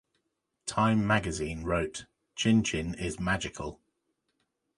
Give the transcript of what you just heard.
"Time Magazine" wrote: "Tchin-Tchin is magical.